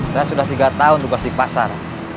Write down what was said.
saya sudah tiga tahun tugas di pasar